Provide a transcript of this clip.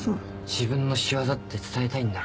自分の仕業って伝えたいんだろ。